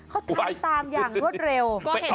เขาทำตามอย่างรวดเร็ว